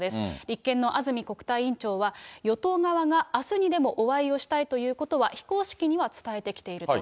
立憲の安住国対委員長は、与党側があすにでもお会いをしたいということは、非公式には伝えてきていると。